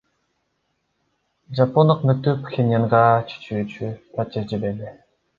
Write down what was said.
Жапон өкмөтү Пхеньянга чечүүчү протест жиберди.